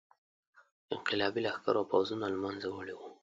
انقلابي لښکرو پوځونه له منځه وړي وو.